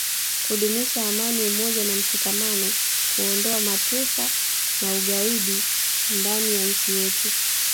kudumisha amani umoja na mshikamano kuondoa matesa na ugaidi ndani ya nchi yetu